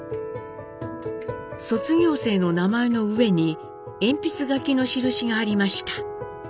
卒業生の名前の上に鉛筆書きの印がありました。